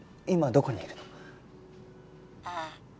今どこにいるの？